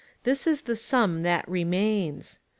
this is the sum that remains.